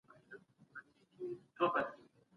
پانګونه به د پس انداز ګټه ډیره کړي.